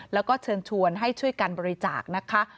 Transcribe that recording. แล้วก็เชิญชวนให้ช่วยกันบริจาคนะคะ